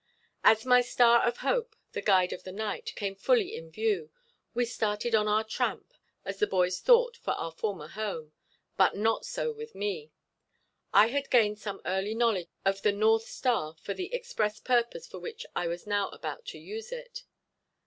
As my star of hope, the guide of the night, came fully in view, we started on our tramp, as the boys thought for our former home; but not so with me. I had gained some early knowledge of the north star for the express purpose for which I was now about to use it.